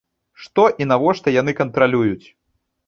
Што і навошта яны кантралююць?